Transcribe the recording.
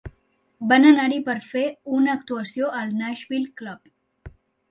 Van anar-hi per fer una actuació al Nashville Club.